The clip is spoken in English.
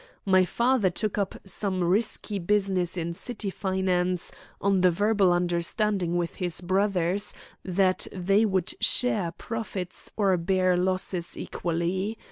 My father took up some risky business in City finance, on the verbal understanding with his brothers that they would share profits or bear losses equally.